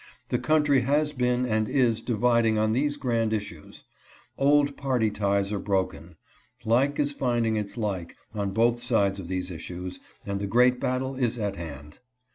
The country has been and is dividing on these grand issues. Old party ties are broken. Like is finding its like on both sides of these issues, and the great battle is at hand.